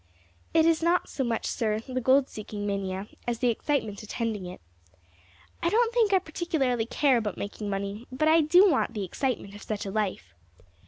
"It is not so much, sir, the gold seeking mania as the excitement attending it. I don't think I particularly care about making money, but I do want the excitement of such a life.